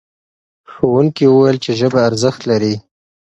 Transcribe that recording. ښوونکي وویل چې ژبه ارزښت لري.